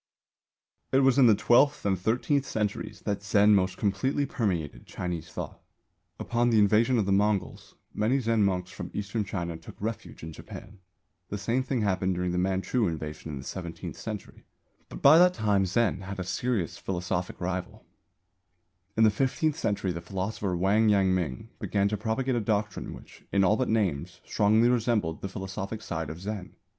It was in the twelfth and thirteenth centuries that Zen most completely permeated Chinese thought. Upon the invasion of the Mongols many Zen monks from Eastern China took refuge in Japan; the same thing happened during the Manchu invasion in the seventeenth century. But by that time Zen had a serious philosophic rival. On the attitude of the Mongol rulers to Zen, see an article by Prof. Kunishita, Tōyōgakuhō, xi., 4, 87. In the fifteenth century the philosopher Wang Yang ming began to propagate a doctrine which, in all but names, strongly resembled the philosophic side of Zen.